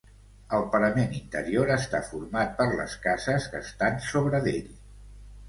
El parament interior està format per les cases que estan sobre d'ell.